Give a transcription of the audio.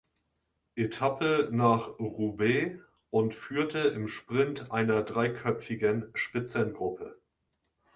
Etappe nach Roubaix und führte im Sprint einer dreiköpfigen Spitzengruppe.